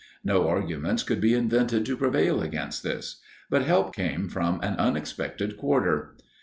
No arguments could be invented to prevail against this. But help came from an unexpected quarter.